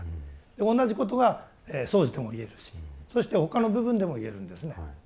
同じことが掃除でも言えるしそして他の部分でも言えるんですね。